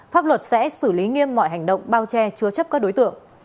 pháp luật sẽ xử lý nghiêm mọi hành động bao che chứa chấp các đối tượng